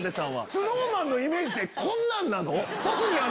ＳｎｏｗＭａｎのイメージってこんなんなの？